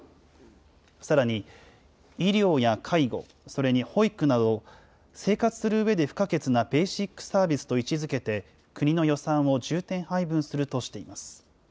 さらに、医療や介護、それに保育など、生活するうえで不可欠なベーシックサービスと位置づけて、国の予算を重点配分するとしています。